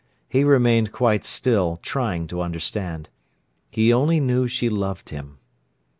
He remained quite still, trying to understand. He only knew she loved him.